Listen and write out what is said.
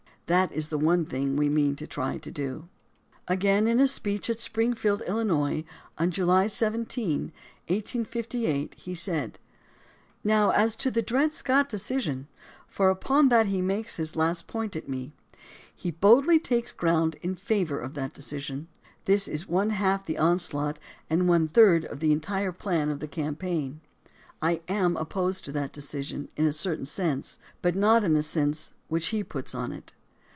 That is one thing we mean to try to do. Again, in a speech at Springfield, Illinois, on July 17, 1858; he said: 146 THE DEMOCRACY OF ABRAHAM LINCOLN Now as to the Dred Scott decision: for upon that he makes his last point at me. He boldly takes ground in favor of that decision. This is one half the onslaught, and one third of the entire plan of the campaign. I am opposed to that decision in a certain sense, but not in the sense which he puts on it.